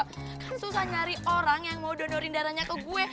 kan susah nyari orang yang mau donorin darahnya ke gue